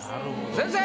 先生！